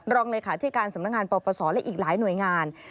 รองเลขาธิการสำนักงานปปศและอีกหลายหน่วยงาน